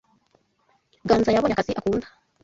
Ganza yabonye akazi akunda.